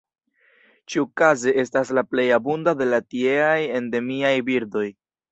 Ĉiukaze estas la plej abunda de la tieaj endemiaj birdoj.